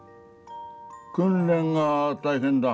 訓練が大変だ。